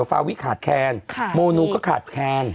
ฟาวิขาดแคลนโมนูก็ขาดแคลน